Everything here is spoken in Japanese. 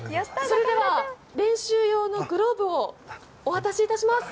練習用のグローブをお渡しいたします。